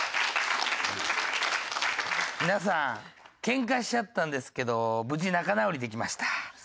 皆さんケンカしちゃったんですけど無事仲直りできました。